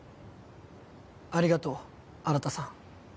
ありがとう新さん。